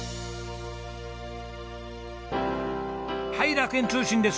はい楽園通信です。